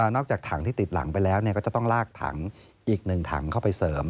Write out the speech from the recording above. จากถังที่ติดหลังไปแล้วก็จะต้องลากถังอีก๑ถังเข้าไปเสริม